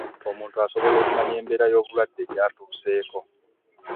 omuntu asobola okumanya embeera y'obulwadde gyatuseeko.